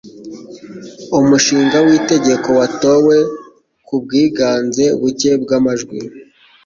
Umushinga w’itegeko watowe ku bwiganze buke bw’amajwi .